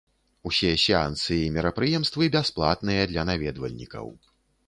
Усе сеансы і мерапрыемствы бясплатныя для наведвальнікаў.